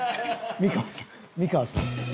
美川さん？